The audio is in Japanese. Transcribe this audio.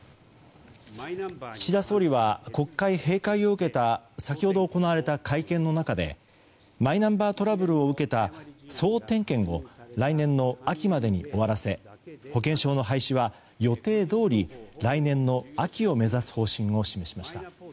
岸田総理は国会閉会を受けた先ほど行われた会見の中でマイナンバートラブルを受けた総点検を来年の秋までに終わらせ保険証の廃止は予定どおり来年の秋を目指す方針を示しました。